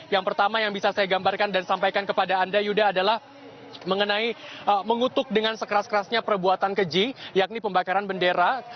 yang pertama yang bisa saya gambarkan dan sampaikan kepada anda yuda adalah mengenai mengutuk dengan sekeras kerasnya perbuatan keji yakni pembakaran bendera